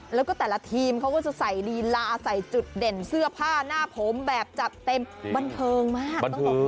แล้วก็แต่ละทีมเขาก็จะใส่ลีลาใส่จุดเด่นเสื้อผ้าหน้าผมแบบจัดเต็มบันเทิงมาก